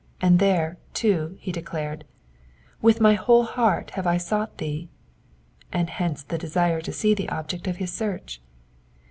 and there, too, he declared, *^ with my whole heart have I sought thee," and hence the desire to see the object •of his search.